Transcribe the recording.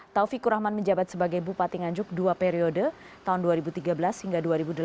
taufikur rahman menjabat sebagai bupati nganjuk dua periode tahun dua ribu tiga belas hingga dua ribu delapan belas